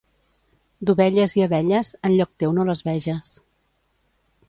D'ovelles i abelles, en lloc teu no les veges.